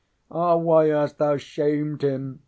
ŌĆ£Ah, why hast thou shamed him?